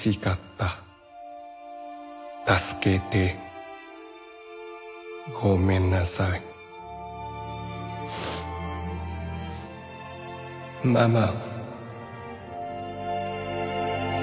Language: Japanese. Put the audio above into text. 「たすけて」「ごめんなさい」ママ。